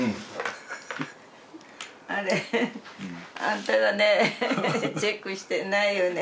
あれ？あんたらねチェックしてないよね。